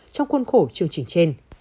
trong khuôn khổ chương trình trên